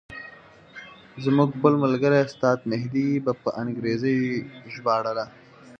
زموږ بل ملګري استاد مهدي به په انګریزي ژباړله.